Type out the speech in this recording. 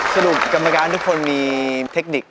กรรมการทุกคนมีเทคนิค